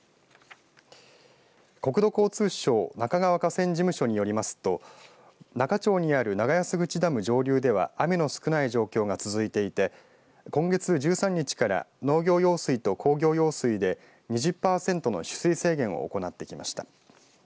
国土交通省那賀川河川事務所によりますと那賀町にある長安口ダム上流では雨の少ない状況が続いていて今月１３日から農業用水と工業用水で２０％の取水制限を行ってきました。